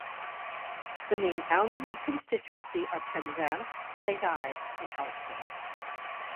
The main towns in the constituency are Penzance, Saint Ives and Helston.